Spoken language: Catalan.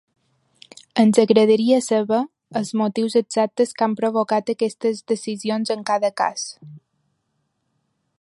Ens agradaria saber els motius exactes que han provocat aquestes decisions en cada cas.